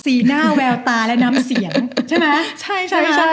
สีหน้าแววตาและน้ำเสียงใช่มะ